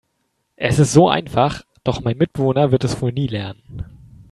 Es ist so einfach, doch mein Mitbewohner wird es wohl nie lernen.